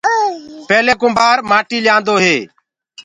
پيلي ڪُنڀآ ڪآٽيٚ ليآندو هي۔